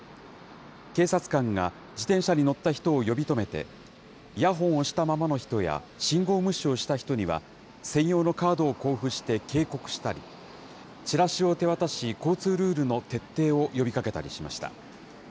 警察官が自転車に乗った人を呼び止めて、イヤホンをしたままの人や信号無視をした人には、専用のカードを交付して警告したり、チラシを手渡し交通ルールの徹底を呼びかけたりしました。